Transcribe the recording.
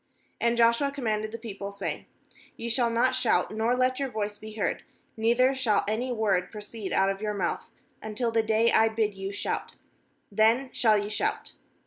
10And Joshua commanded the people, saying: 'Ye shall not shout, nor let your voice be heard, neither shall any word proceed put of your mouth, until the day I bid you shout; then shall ye shout.'